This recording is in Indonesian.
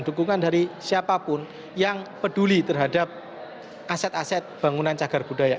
dukungan dari siapapun yang peduli terhadap aset aset bangunan cagar budaya